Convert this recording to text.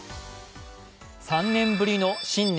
３年ぶりの新年